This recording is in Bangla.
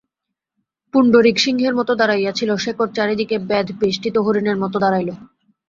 পুণ্ডরীক সিংহের মতো দাঁড়াইয়াছিল, শেখর চারি দিকে ব্যাধবেষ্টিত হরিণের মতো দাঁড়াইল।